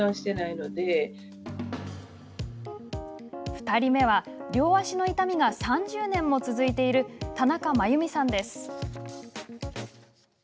２人目は両足の痛みが３０年も続いている田中真由美さんです。